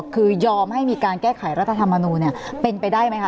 คือยอมให้มีการแก้ไขรัฐธรรมนูลเป็นไปได้ไหมคะ